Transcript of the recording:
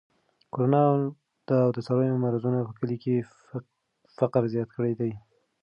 کرونا او د څارویو مرضونو په کلي کې فقر زیات کړی دی.